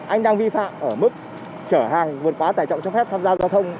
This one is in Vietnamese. anh đang vi phạm ở mức trở hàng vượt quá tải trọng cho phép tham gia giao thông